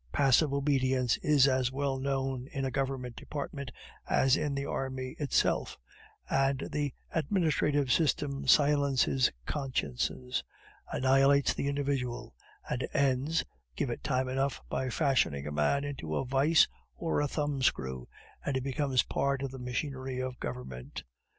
Passive obedience is as well known in a Government department as in the army itself; and the administrative system silences consciences, annihilates the individual, and ends (give it time enough) by fashioning a man into a vise or a thumbscrew, and he becomes part of the machinery of Government.